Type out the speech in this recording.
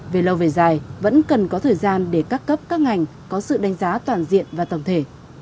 về lâu về dài vẫn cần có thời gian để các cấp các ngành có sự đánh giá toàn diện và tổng thể